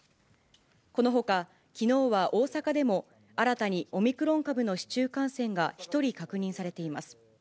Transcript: このほか、きのうは大阪でも新たにオミクロン株の市中感染が１人確認されています。